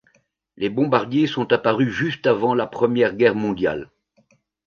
Les bombardiers sont apparus juste avant la Première Guerre mondiale.